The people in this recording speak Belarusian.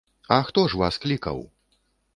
А хто ж вас клікаў?